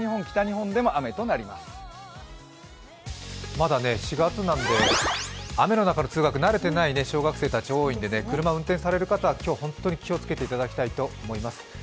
まだ４月なんで雨の中の通学慣れていない小学生たちが多いので車運転される方は、今日は本当に気をつけていただきたいと思います。